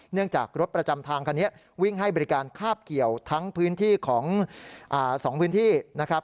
เนื่องจากรถประจำทางคันนี้วิ่งให้บริการคาบเกี่ยวทั้งพื้นที่ของ๒พื้นที่นะครับ